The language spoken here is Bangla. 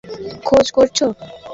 তুমি কিসের খোঁজ করছো?